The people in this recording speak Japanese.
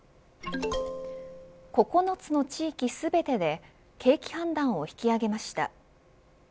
９つの地域全てで景気判断を引き上げました。